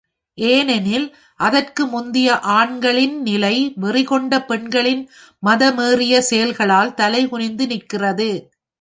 ஏனெனில், அதற்கு முந்திய ஆண்களின் நிலை வெறிகொண்ட பெண்களின் மதமேறியச் செயல்களால் தலை குனிந்து நின்றது.